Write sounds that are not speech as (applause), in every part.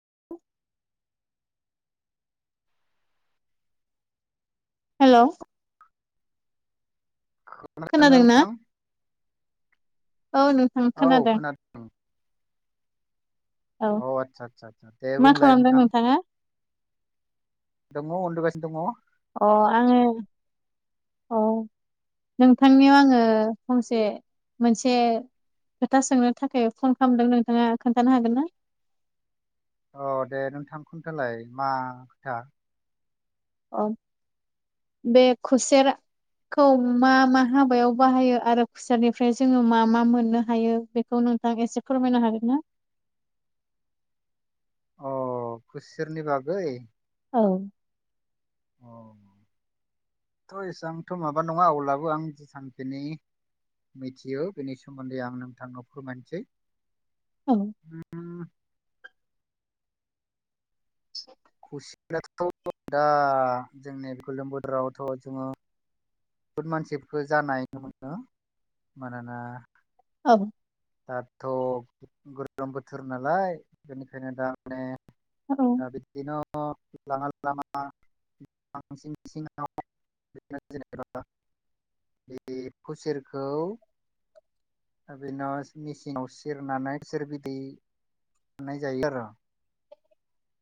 (inaudible) Hello खोनादों ना नोंथां? औ नोंथां खोनादों औ अ आदसा आदसा आसा दे मा बुंलाय खालामदों नोंथां नोंथाङा? दङ उन्दुगासिनो दङ अ आङो अ नोंथांनियाव आङो फंसे मोनसे खोथा सोंनो थाखाय फन खालामदों नोंथाङा खोन्थानो हागोन ना? अ दे नोंथां खोन्थालाय मा खोथा अ बे खुसेर खौ मा मा हाबायाव बाहायो आरो खुसेरनिफ्राय जोङो मा मा मोननो हायो बेखौ नों एसे फोरमायनो हागोन ना? अ खुसेरनि बागै औ अ (inaudible) थ एसांथ' माबा नङा अब्लाबो आं सानदोनि मिथियो बेनि सोमोन्दै आं नोंथांनो फोरमायनोसै (unintelligible) उम खुसेराथ' दा जोंनि गोलोम बोथोटरावथ' जोङो बहुद मानसिफोरखौ जानाय नुनो मोनो मानोना औ दाथ' गोलोम बोथोर नालाय बेनिखायनो दा माने औ दा बिदिनो (unintelligible) (unintelligible) बे खुसेरखौ आबिनास मेचिनाव सेरनानै खुसेर बिदै (unintelligible) जायो आरो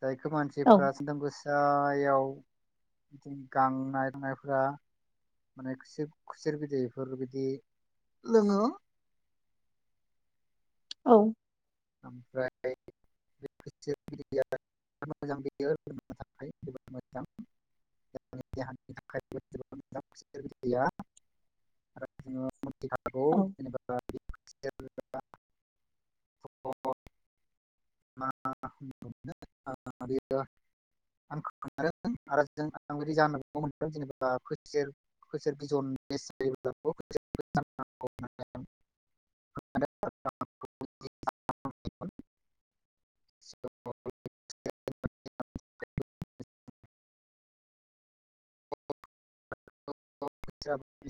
जायखौ औ मानसिफ्रा (unintelligible) (unintelligible) गांनायनायफोरा माने खुसेर खुसेर बिदैफोर बिदि लोङो औ ओमफ्राय (unintelligible) (unintelligible) औ (unintelligible) (unintelligible) (unintelligible) (unintelligible) (inaudible) होननानै (inaudible) (unintelligible) (unintelligible) (unintelligible)